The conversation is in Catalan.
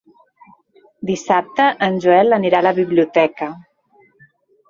Dissabte en Joel anirà a la biblioteca.